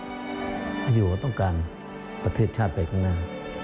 อายุเขาต้องการประเทศชาติไปข้างหน้า